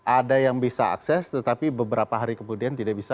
ada yang bisa akses tetapi beberapa hari kemudian tidak bisa